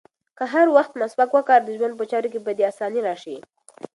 که هر وخت مسواک وکاروې، د ژوند په چارو کې به دې اساني راشي.